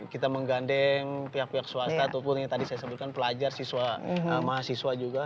kita menggandeng pihak pihak swasta ataupun yang tadi saya sebutkan pelajar siswa mahasiswa juga